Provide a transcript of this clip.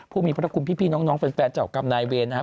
ผู้มีพระคุณพี่น้องแฟนเจ้ากรรมนายเวรนะครับ